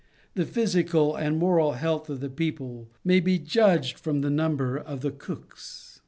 The physical and moral health of the people may be judged from the number of the cooks.